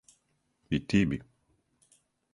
И ти би.